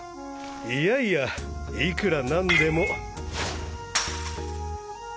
いやいやいくら何でも。